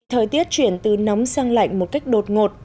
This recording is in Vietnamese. thời tiết chuyển từ nóng sang lạnh một cách đột ngột